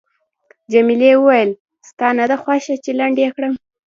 جميلې وويل:، ستا نه ده خوښه چې لنډ یې کړم؟